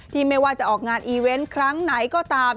ไม่ว่าจะออกงานอีเวนต์ครั้งไหนก็ตาม